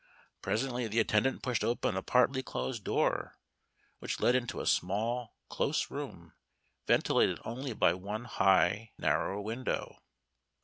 Presently the attendant pushed open a partly closed door, which led into a small, close room, ventilated only by one high, narrow window.